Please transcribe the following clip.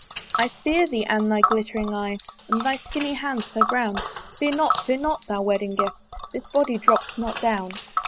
"I fear thee and thy glittering eye "And thy skinny hand so brown" Fear not, fear not, thou wedding guest! This body dropt not down.